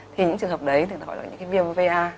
thì những trường hợp đấy chúng ta gọi là viêm va